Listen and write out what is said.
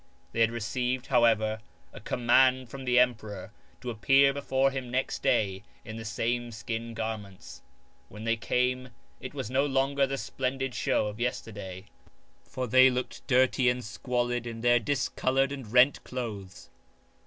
They had received however a command from the emperor to appear before him next day in the same skin garments. When they came it was no longer the splendid show of yesterday ; for they looked dirty and squalid in their discoloured and rent clothes.